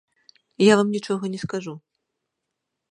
Я вам нічога не скажу.